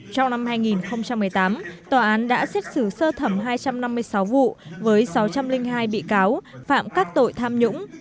trong năm hai nghìn một mươi tám tòa án đã xét xử sơ thẩm hai trăm năm mươi sáu vụ với sáu trăm linh hai bị cáo phạm các tội tham nhũng